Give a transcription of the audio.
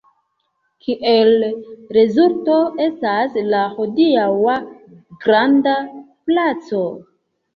Kiel rezulto estas la hodiaŭa granda placo.